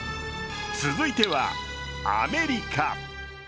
続いては、アメリカ。